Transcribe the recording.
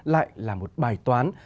lại là một bài toán